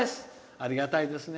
ありがたいですね。